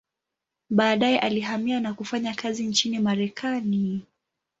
Baadaye alihamia na kufanya kazi nchini Marekani.